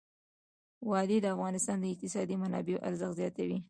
وادي د افغانستان د اقتصادي منابعو ارزښت زیاتوي.